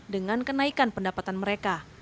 dengan kenaikan pendapatan mereka